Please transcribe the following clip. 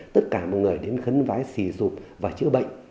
tất cả mọi người đến khấn vái xì dụ và chữa bệnh